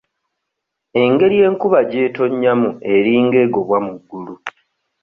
Engeri enkuba gy'ettonyamu eringa egobwa mu ggulu.